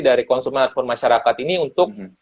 dari konsumen ataupun masyarakat ini untuk